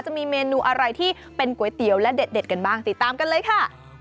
จะมีเมนูอะไรที่เป็นก๋วยเตี๋ยวและเด็ดกันบ้างติดตามกันเลยค่ะ